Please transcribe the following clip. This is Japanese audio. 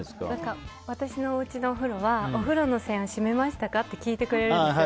私のおうちのお風呂はお風呂の栓、閉めましたか？って聞いてくれるんですよ。